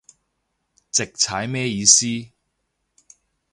直踩咩意思